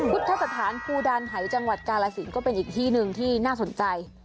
พุทธสถานภูดานหายจังหวัดกาลสินก็เป็นอีกที่หนึ่งที่น่าสนใจ